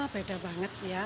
beda banget ya